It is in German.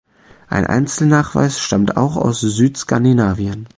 Ein Einzelnachweis stammt auch aus Südskandinavien.